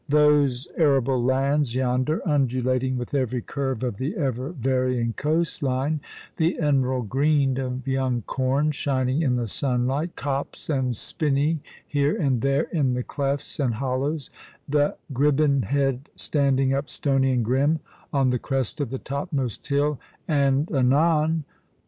Those arable lands yonder, undulating with every curve of the ever varying coast line, the emerald green of young corn shining in the sunlight, copse and spiuny here and there in the clefts aud hollows, the Gribbin Head standing up stony and grim 0:1 the crest of the topmost hill, and, anon.